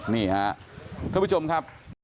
นี่ฮะเพื่อนผู้ชมครับ